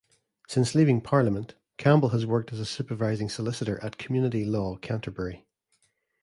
Since leaving Parliament Campbell has worked as a Supervising Solicitor at Community Law Canterbury.